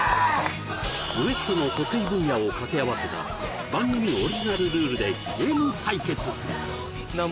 ＷＥＳＴの得意分野を掛け合わせた番組オリジナルルールでゲーム対決！